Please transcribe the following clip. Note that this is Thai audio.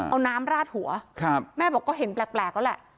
เอาน้ำราดหัวแม่บอกก็เห็นแปลกแล้วแหละ